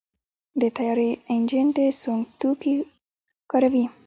د طیارې انجن د سونګ توکي کاروي.